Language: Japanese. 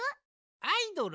アイドル？